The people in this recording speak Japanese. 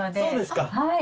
そうですか。